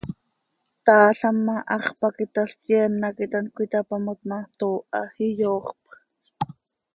Taalam ma, hax pac italp, yeen hac it hant cöitapamot ma, tooha, iyooxpx.